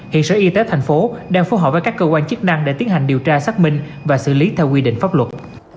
hiện sở y tế thành phố đang phối hợp với các cơ quan chức năng để tiến hành điều tra xác minh và xử lý theo quy định pháp luật